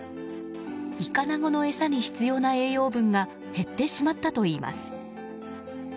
イカナゴの餌に必要な栄養分が減ってしまったといいます。